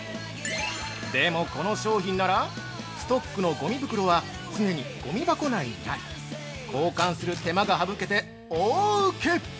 でも、この商品なら、ストックのごみ袋は常に、ごみ箱内にあり交換する手間が省けて、大ウケ！